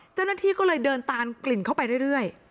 เจ้าหน้าที่ก็เลยเดินตามกลิ่นเข้าไปเรื่อย